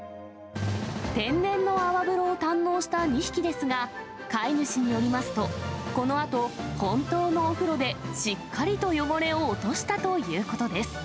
天然の泡風呂を堪能した２匹ですが、飼い主によりますと、このあと、本当のお風呂でしっかりと汚れを落としたということです。